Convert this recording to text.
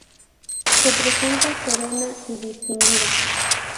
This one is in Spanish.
Se presenta serena y distinguida.